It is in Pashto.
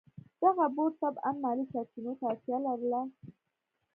دغه بورډ طبعاً مالي سرچینو ته اړتیا لرله.